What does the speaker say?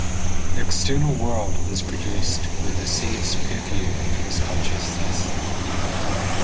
The external world is produced when the seeds "perfume" this consciousness.